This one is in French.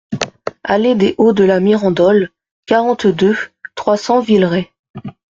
Allée des Hauts de la Mirandole, quarante-deux, trois cents Villerest